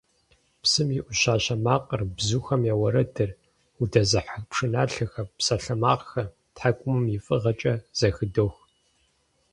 Псым и Ӏущащэ макъыр, бзухэм я уэрэдыр, удэзыхьэх пшыналъэхэр, псалъэмакъхэр тхьэкӀумэм и фӀыгъэкӀэ зэхыдох.